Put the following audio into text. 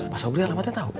pak sobri alamatnya tau